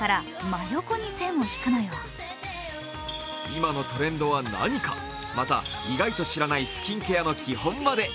今のトレンドは何かまた、意外と知らないスキンケアの基本まで。